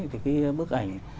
cái bức ảnh